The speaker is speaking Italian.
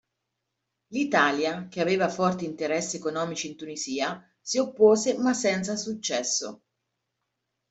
L'Italia, che aveva forti interessi economici in Tunisia, si oppose ma senza successo.